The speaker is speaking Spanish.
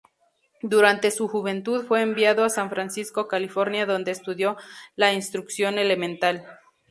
Durante su juventud fue enviado a San Francisco, California donde estudió la instrucción elemental.